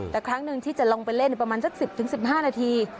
แต่ครั้งหนึ่งที่จะลงไปเล่นประมาณสัก๑๐๑๕นาที